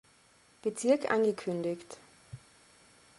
Bezirk angekündigt.